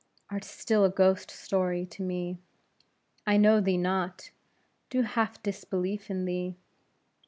art still a ghost story to me. I know thee not, do half disbelieve in thee.